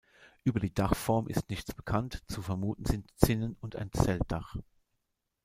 Über die Dachform ist nichts bekannt, zu vermuten sind Zinnen und ein Zeltdach.